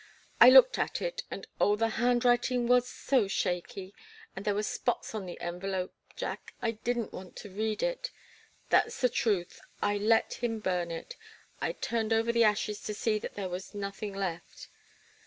I looked at it and oh, the handwriting was so shaky, and there were spots on the envelope Jack I didn't want to read it. That's the truth. I let him burn it. I turned over the ashes to see that there was nothing left.